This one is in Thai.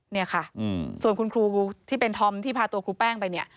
เนี่ยค่ะส่วนคุณครูที่เป็นธอมที่พาตัวครูแป้งไปเนี่ย